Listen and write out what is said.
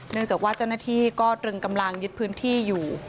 จากว่าเจ้าหน้าที่ก็ตรึงกำลังยึดพื้นที่อยู่